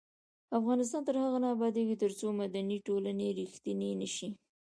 افغانستان تر هغو نه ابادیږي، ترڅو مدني ټولنې ریښتینې نشي.